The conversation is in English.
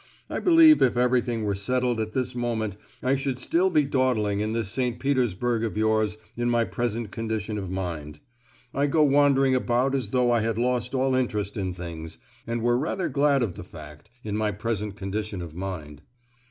I believe if everything were settled at this moment I should still be dawdling in this St. Petersburg of yours in my present condition of mind. I go wandering about as though I had lost all interest in things, and were rather glad of the fact, in my present condition of mind."